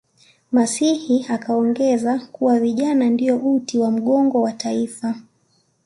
masihi akaongeza kuwa vijana ndiyo uti wa mgongo wa mataifa